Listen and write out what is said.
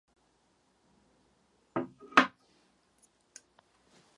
Důvodem ochrany je zachování bohatého výskytu bledule jarní.